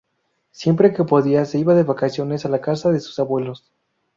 Siempre que podía se iba de vacaciones a la casa de sus abuelos.